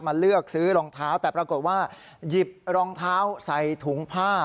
เลือกซื้อรองเท้าแต่ปรากฏว่าหยิบรองเท้าใส่ถุงผ้า